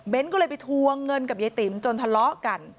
ก็เลยไปทวงเงินกับยายติ๋มจนทะเลาะกัน